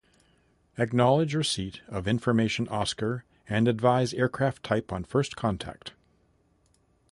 Acknowledge receipt of information Oscar and advise aircraft type on first contact.